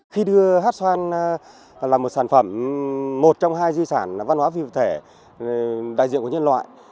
khi đưa hát xoan là một sản phẩm một trong hai di sản văn hóa vi vật thể đại diện của nhân loại